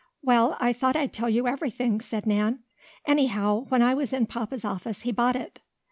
"Well, I thought I'd tell you everything," said Nan. "Anyhow, when I was in papa's office he bought it."